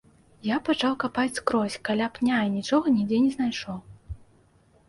Я пачаў капаць скрозь каля пня і нічога нідзе не знайшоў.